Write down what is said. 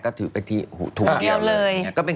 ก็ถือไปที่ถุงเดียวเลย